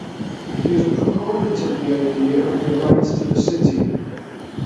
He is a proponent of the idea of the right to the city.